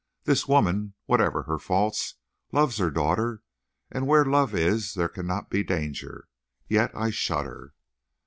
This woman, whatever her faults, loves her daughter, and where love is there cannot be danger. Yet I shudder.